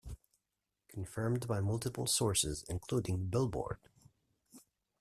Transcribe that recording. Confirmed by multiple sources including "Billboard".